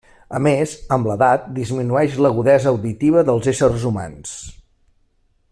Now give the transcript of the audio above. A més, amb l'edat, disminueix l'agudesa auditiva dels éssers humans.